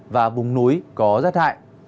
và vùng núi có rét hại